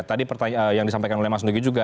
tadi yang disampaikan oleh mas nugi juga